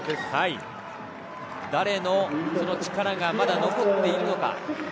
誰の力がまだ残っているのか。